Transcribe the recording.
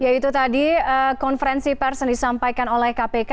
yaitu tadi konferensi persen disampaikan oleh kpk